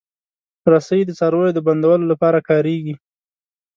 رسۍ د څارویو د بندولو لپاره کارېږي.